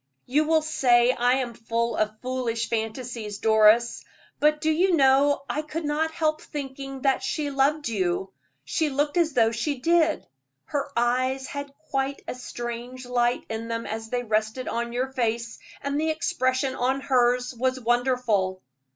"You will say I am full of foolish fancies, Doris, but do you know I could not help thinking that she loved you; she looked as though she did. Her eyes had quite a strange light in them as they rested on your face, and the expression on hers was wonderful."